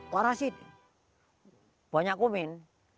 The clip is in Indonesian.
pak rashid banyak komen